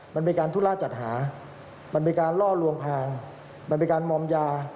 มันเป็นการธุระจัดหามันเป็นการล่อลวงพางมันเป็นการมอมยา